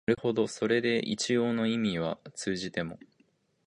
なるほどそれで一応の意味は通じても、